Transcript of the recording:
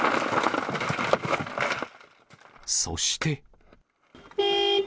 そして。